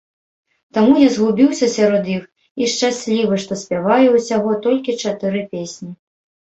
Таму я згубіўся сярод іх і шчаслівы, што спяваю ўсяго толькі чатыры песні.